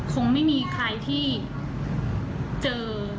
คงไม่มีใครที่เจอ